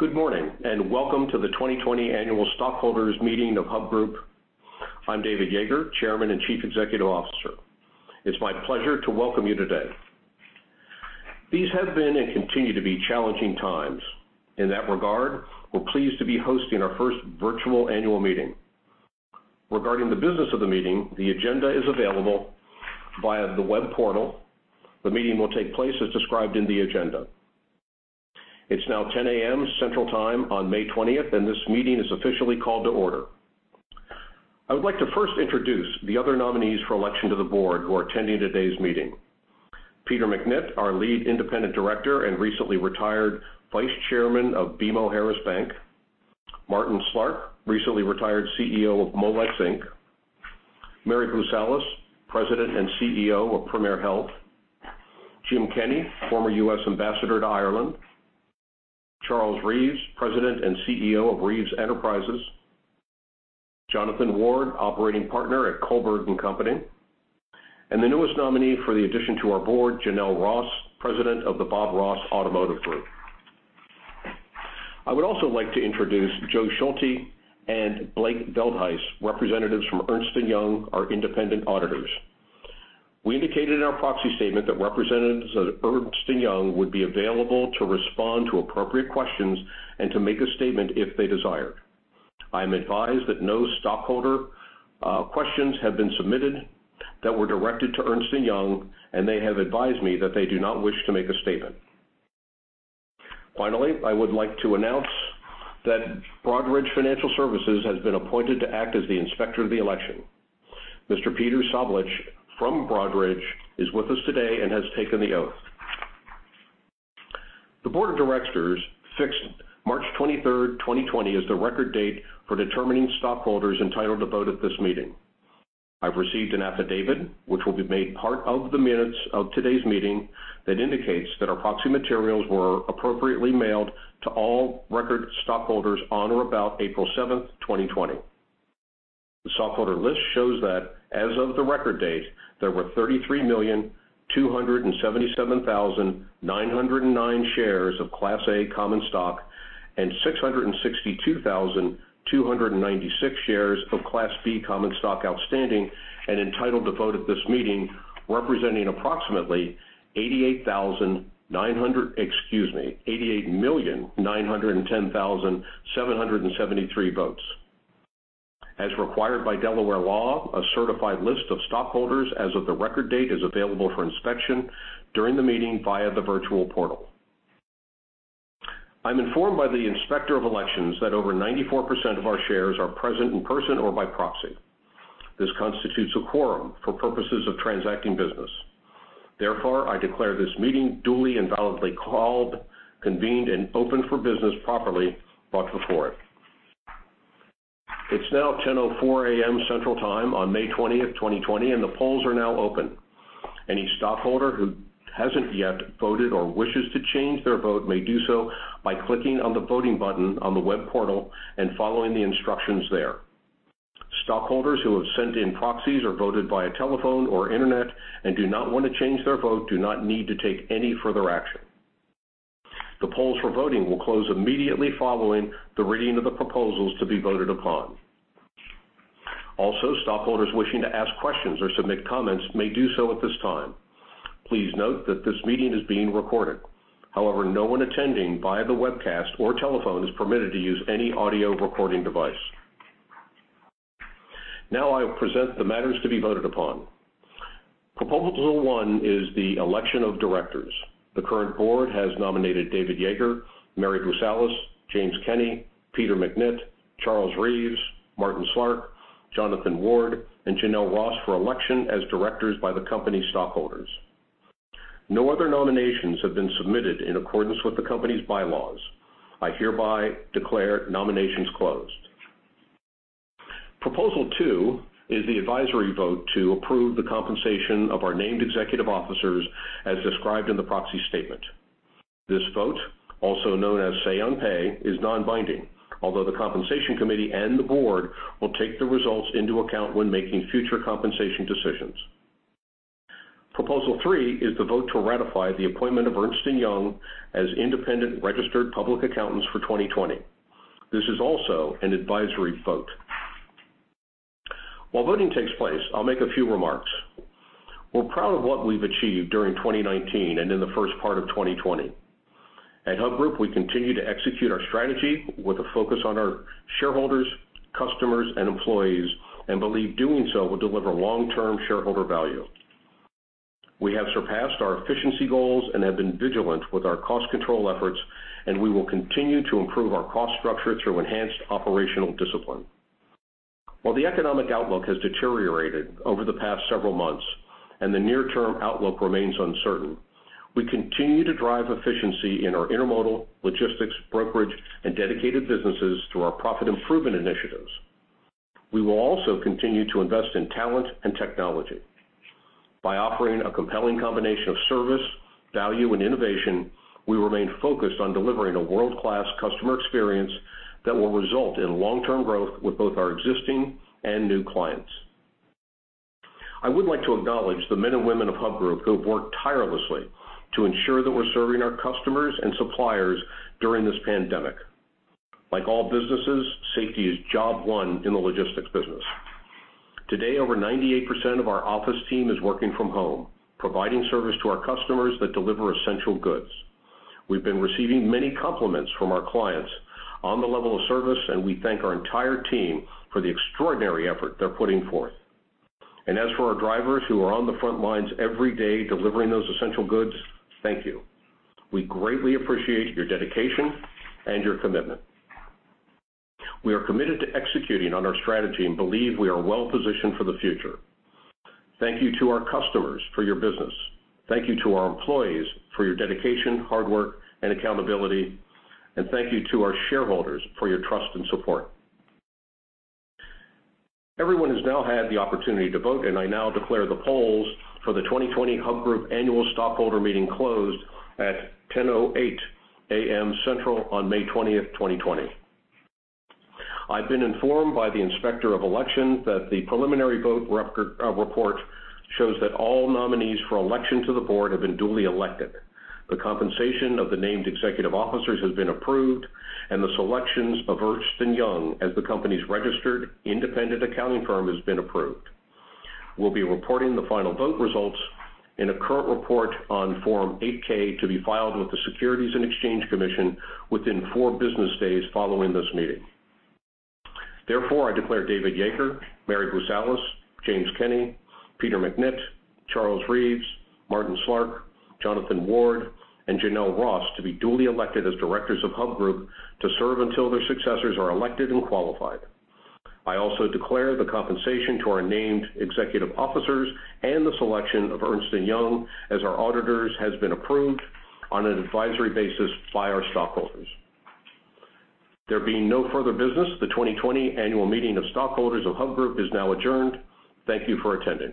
Good morning, welcome to the 2020 annual stockholders meeting of Hub Group. I'm David Yeager, Chairman and Chief Executive Officer. It's my pleasure to welcome you today. These have been and continue to be challenging times. In that regard, we're pleased to be hosting our first virtual annual meeting. Regarding the business of the meeting, the agenda is available via the web portal. The meeting will take place as described in the agenda. It's now 10:00 A.M. Central Time on May 20th, this meeting is officially called to order. I would like to first introduce the other nominees for election to the board who are attending today's meeting. Peter McNitt, our Lead Independent Director and recently retired Vice Chairman of BMO Harris Bank. Martin Slark, recently retired CEO of Molex Inc. Mary Boosalis, President and CEO of Premier Health. Jim Kenny, former U.S. ambassador to Ireland. Charles Reaves, President and CEO of Reaves Enterprises. Jonathan Ward, Operating Partner at Kohlberg & Company. The newest nominee for the addition to our board, Jenell Ross, President of the Bob Ross Auto Group. I would also like to introduce Joe Schulte and Blake Veldhuis, representatives from Ernst & Young, our independent auditors. We indicated in our proxy statement that representatives of Ernst & Young would be available to respond to appropriate questions and to make a statement if they desired. I am advised that no stockholder questions have been submitted that were directed to Ernst & Young, and they have advised me that they do not wish to make a statement. Finally, I would like to announce that Broadridge Financial Solutions has been appointed to act as the inspector of the election. Mr. Peter Sablich from Broadridge is with us today and has taken the oath. The board of directors fixed March 23rd, 2020, as the record date for determining stockholders entitled to vote at this meeting. I've received an affidavit, which will be made part of the minutes of today's meeting, that indicates that our proxy materials were appropriately mailed to all record stockholders on or about April 7th, 2020. The stockholder list shows that as of the record date, there were 33,277,909 shares of Class A common stock and 662,296 shares of Class B common stock outstanding and entitled to vote at this meeting, representing approximately 88,900 Excuse me, 88,910,773 votes. As required by Delaware law, a certified list of stockholders as of the record date is available for inspection during the meeting via the virtual portal. I'm informed by the Inspector of Elections that over 94% of our shares are present in person or by proxy. This constitutes a quorum for purposes of transacting business. Therefore, I declare this meeting duly and validly called, convened, and open for business properly brought before it. It's now 10:04 A.M. Central Time on May 20th, 2020, and the polls are now open. Any stockholder who hasn't yet voted or wishes to change their vote may do so by clicking on the voting button on the web portal and following the instructions there. Stockholders who have sent in proxies or voted via telephone or internet and do not want to change their vote do not need to take any further action. The polls for voting will close immediately following the reading of the proposals to be voted upon. Also, stockholders wishing to ask questions or submit comments may do so at this time. Please note that this meeting is being recorded. However, no one attending via the webcast or telephone is permitted to use any audio recording device. Now I will present the matters to be voted upon. Proposal one is the election of directors. The current board has nominated David Yeager, Mary Boosalis, James Kenny, Peter McNitt, Charles Reaves, Martin Slark, Jonathan Ward, and Jenell Ross for election as directors by the company stockholders. No other nominations have been submitted in accordance with the company's bylaws. I hereby declare nominations closed. Proposal two is the advisory vote to approve the compensation of our named executive officers as described in the proxy statement. This vote, also known as say on pay, is non-binding. Although the compensation committee and the board will take the results into account when making future compensation decisions. Proposal three is the vote to ratify the appointment of Ernst & Young as independent registered public accountants for 2020. This is also an advisory vote. While voting takes place, I'll make a few remarks. We're proud of what we've achieved during 2019 and in the first part of 2020. At Hub Group, we continue to execute our strategy with a focus on our shareholders, customers, and employees, and believe doing so will deliver long-term shareholder value. We have surpassed our efficiency goals and have been vigilant with our cost control efforts, and we will continue to improve our cost structure through enhanced operational discipline. While the economic outlook has deteriorated over the past several months and the near-term outlook remains uncertain, we continue to drive efficiency in our intermodal logistics, brokerage, and dedicated businesses through our profit improvement initiatives. We will also continue to invest in talent and technology. By offering a compelling combination of service, value, and innovation, we remain focused on delivering a world-class customer experience that will result in long-term growth with both our existing and new clients. I would like to acknowledge the men and women of Hub Group who have worked tirelessly to ensure that we're serving our customers and suppliers during this pandemic. Like all businesses, safety is job one in the logistics business. Today, over 98% of our office team is working from home, providing service to our customers that deliver essential goods. We've been receiving many compliments from our clients on the level of service, and we thank our entire team for the extraordinary effort they're putting forth. As for our drivers who are on the front lines every day delivering those essential goods, thank you. We greatly appreciate your dedication and your commitment. We are committed to executing on our strategy and believe we are well-positioned for the future. Thank you to our customers for your business. Thank you to our employees for your dedication, hard work, and accountability, and thank you to our shareholders for your trust and support. Everyone has now had the opportunity to vote, and I now declare the polls for the 2020 Hub Group Annual Stockholder Meeting closed at 10:08 A.M. Central on May 20th, 2020. I've been informed by the Inspector of Elections that the preliminary vote report shows that all nominees for election to the board have been duly elected. The compensation of the named executive officers has been approved, and the selections of Ernst & Young as the company's registered independent accounting firm has been approved. We'll be reporting the final vote results in a current report on Form 8-K to be filed with the Securities and Exchange Commission within four business days following this meeting. Therefore, I declare David Yeager, Mary Boosalis, James Kenny, Peter McNitt, Charles Reaves, Martin Slark, Jonathan Ward, and Jenell Ross to be duly elected as directors of Hub Group to serve until their successors are elected and qualified. I also declare the compensation to our named executive officers and the selection of Ernst & Young as our auditors has been approved on an advisory basis by our stockholders. There being no further business, the 2020 Annual Meeting of Stockholders of Hub Group is now adjourned. Thank you for attending.